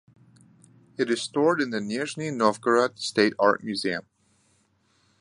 It is stored in the Nizhny Novgorod State Art Museum.